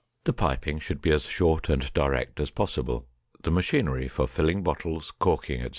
The piping should be as short and direct as possible. The machinery for filling bottles, corking, etc.